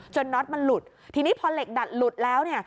น็อตมันหลุดทีนี้พอเหล็กดัดหลุดแล้วเนี่ย